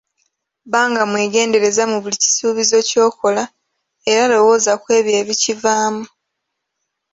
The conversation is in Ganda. Banga mwegendereza mu buli kisuubizo ky'okola era lowooza ku ebyo ebikivaamu.